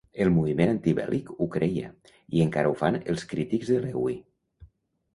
El moviment antibèl·lic ho creia, i encara ho fan els crítics de Lewy.